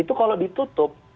itu kalau ditutup